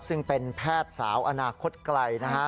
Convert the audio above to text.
ซึ่งเป็นแพทย์สาวอนาคตไกลนะฮะ